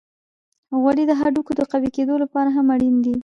غوړې د هډوکو د قوی کیدو لپاره هم اړینې دي.